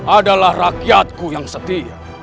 adalah rakyatku yang setia